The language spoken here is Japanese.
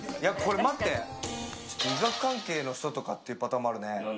医学関係の人とかというパターンもあるね。